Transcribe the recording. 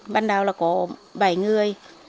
ban đầu là có bảy người